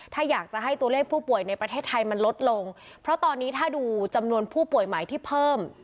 ถ้าอยากจะให้ตัวเลขผู้ป่วยในประเทศไทยมันลดลงเพราะตอนนี้ถ้าดูจำนวนผู้ป่วยใหม่ที่เพิ่ม